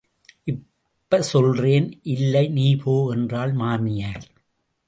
இப்ப சொல்றேன், இல்லை நீ போ என்றாள் மாமியார்.